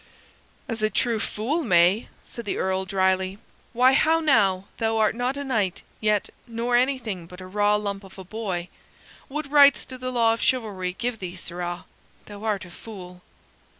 "As a true fool may," said the Earl, dryly. "Why, how now, thou art not a knight yet, nor anything but a raw lump of a boy. What rights do the laws of chivalry give thee, sirrah? Thou art a fool!"